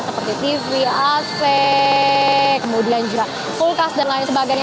seperti tv ac kemudian juga kulkas dan lain sebagainya